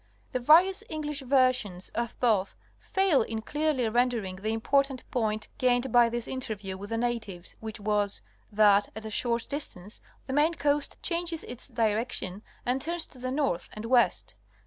The various English versions of both fail in clearly rendering the important point gained by this interview with the natives, which was, that, at a short distance, the main coast changes its direction and turns to the north and west.